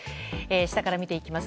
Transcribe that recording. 下から見ていきます。